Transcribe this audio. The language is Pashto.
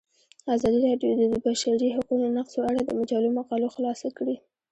ازادي راډیو د د بشري حقونو نقض په اړه د مجلو مقالو خلاصه کړې.